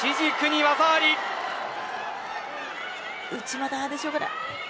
内股でしょうか。